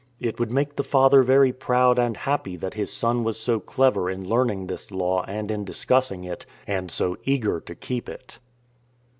It would make the father very proud and happy that his son was so clever in learning this Law and in discussing it, and so eager to keep it.